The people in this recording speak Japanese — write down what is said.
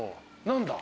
何だ？